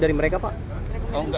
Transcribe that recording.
dari mereka pak